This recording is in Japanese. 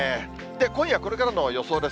今夜これからの予想です。